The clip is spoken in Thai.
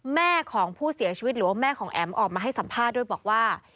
แม่ของผู้เสียชีวิตหรือว่าแม่ของแอ๋มออกมาให้สัมภาษณ์ด้วยบอกว่า